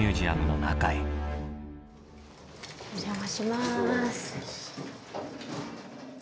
お邪魔します。